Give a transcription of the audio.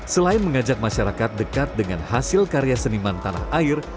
selain mengajak masyarakat dekat dengan hasil karya seniman tanah air